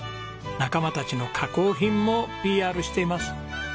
仲間たちの加工品もＰＲしています。